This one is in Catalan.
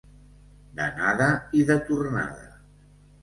D'anada i de tornada.